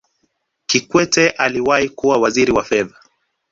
kikwete aliwahi kuwa waziri wa fedha